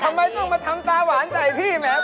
ทำไมต้องมาทำตาหวานใส่พี่แหม